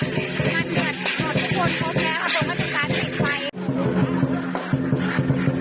คนอาจจะค้นละครับมันเหมือนพวกนี้คนพบแล้วครับ